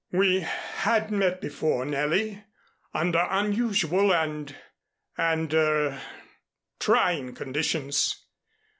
"We had met before, Nellie, under unusual and and er trying conditions.